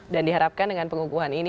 dan diharapkan dengan pengukuhan ini